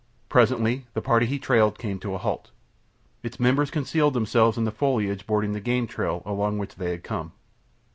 Presently the party he trailed came to a halt. Its members concealed themselves in the foliage bordering the game trail along which they had come.